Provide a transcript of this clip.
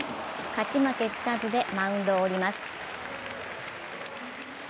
勝ち負けつかずでマウンドを降ります。